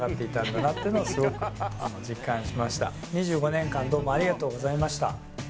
２５年間どうもありがとうございました。